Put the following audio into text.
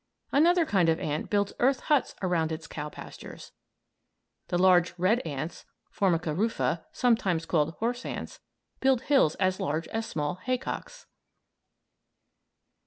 Another kind of ant builds earth huts around its cow pastures. The large red ants (F. rufa), sometimes called "horse ants," build hills as large as small haycocks.